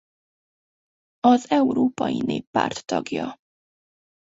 Az Európai Néppárt tagja.